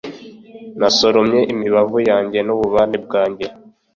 nasoromye imibavu yanjye n'ububani bwanjye